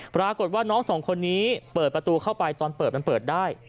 ปรากฏว่าน้องสองคนนี้เปิดประตูเข้าไปตอนเปิดมันเปิดได้